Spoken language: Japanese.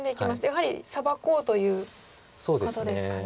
やはりサバこうということですかね。